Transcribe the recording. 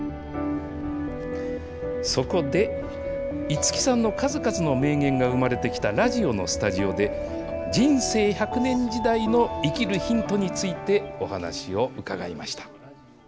そこで、五木さんの数々の名言が生まれてきたラジオのスタジオで、人生１００年時代の生きるヒントについてお話を伺いました。